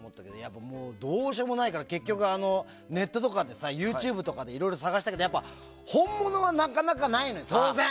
もうどうしようもないから結局、ネットとかでＹｏｕＴｕｂｅとかでいろいろ探したけど本物はなかなかないんだよね、当然。